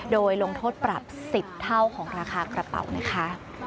โดยลงโทษปรับ๑๐เท่าของราคากระเป๋านะคะ